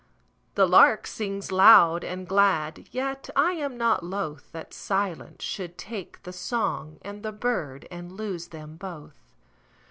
The lark sings loud and glad, Yet I am not lothThat silence should take the song and the birdAnd lose them both.